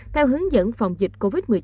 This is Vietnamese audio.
theo hướng dẫn phòng dịch covid một mươi chín